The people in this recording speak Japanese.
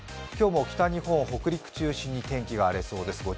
今日も北日本、北陸を中心に天気が荒れそうです。